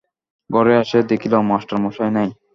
ঘরে আসিয়া দেখিল, মাস্টারমশায় নাই।